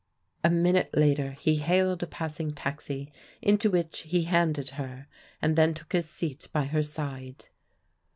A minute later he hailed a passing taxi, into which he handed her, and then took his seat by her side.